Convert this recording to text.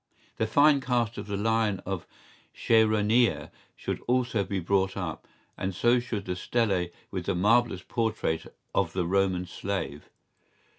¬Ý The fine cast of the Lion of Chæronea should also be brought up, and so should the stele with the marvellous portrait of the Roman slave.